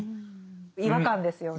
違和感ですよね。